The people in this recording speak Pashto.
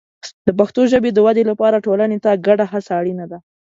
د پښتو ژبې د ودې لپاره ټولنې ته ګډه هڅه اړینه ده.